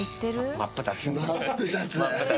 真っ二つだ。